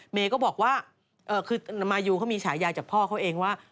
เมย์ก็บอกว่าคือมายูเขามีฉายาจากพ่อเขาเองว่า